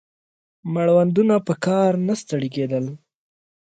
مړوندونه په کار نه ستړي کېدل